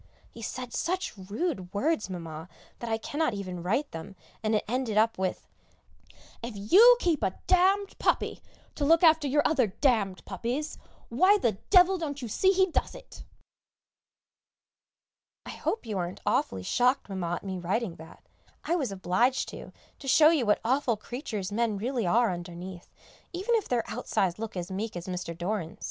He said such rude words, Mamma, that I cannot even write them, and it ended up with, "If you keep a d d puppy to look after your other d d puppies, why the devil don't you see he does it!" I hope you aren't awfully shocked, Mamma, at me writing that; I was obliged to, to show you what awful creatures men really are underneath, even if their outsides look as meek as Mr. Doran's.